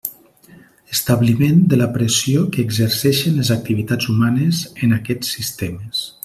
Establiment de la pressió que exerceixen les activitats humanes en aquests sistemes.